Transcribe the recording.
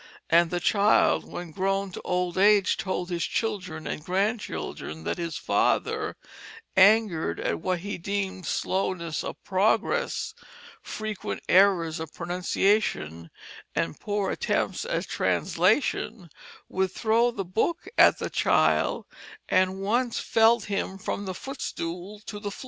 And the child when grown to old age told his children and grandchildren that his father, angered at what he deemed slowness of progress, frequent errors of pronunciation, and poor attempts at translation, would throw the book at the child, and once felled him from the footstool to the floor.